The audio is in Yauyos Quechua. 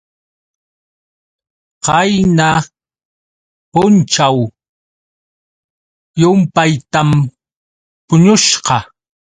Qayna punćhaw llumpaytam puñusqa.